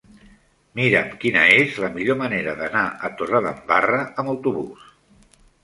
Mira'm quina és la millor manera d'anar a Torredembarra amb autobús.